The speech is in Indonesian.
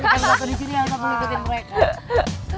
yang satu disini yang satu ngikutin mereka